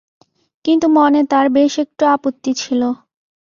কিন্তু মনে তার বেশ একটু আপত্তি ছিল।